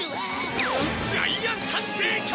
ジャイアン探偵局！